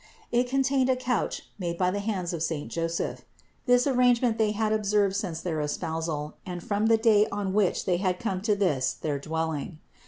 It contained a couch made by the hands of saint Joseph. This arrangement they had observed since their espousal and from the day on which they had come to this, their dwelling.